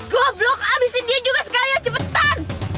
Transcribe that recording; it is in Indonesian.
goblok habisin dia juga sekalian cepetan